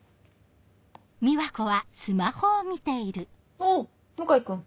おぉ向井君。